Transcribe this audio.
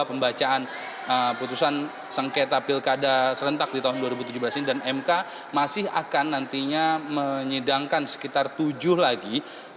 pertama di mana ada yang menyebutnya sengketa pilkada serentak di tahun dua ribu tujuh belas ini dan mk masih akan nantinya menyidangkan sekitar tujuh lagi